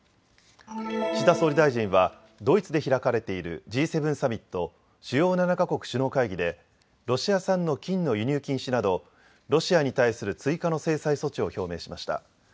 岸田総理大臣はドイツで開かれているＧ７サミット・主要７か国首脳会議でロシア産の金の輸入禁止などロシアに対する追加の制裁措置を表明しました。